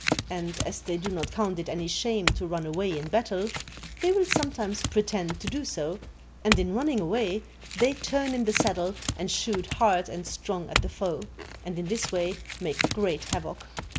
And, as they do not count it any shame to run away in battle, they will sometimes pretend to do so, and in running away they turn in the saddle and shoot hard and strong at the foe, and in this way make great havoc.